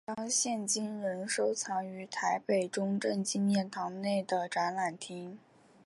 此勋章现今仍收藏于台北中正纪念堂内的展览厅。